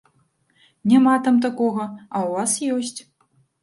Няма там такога, а ў вас ёсць.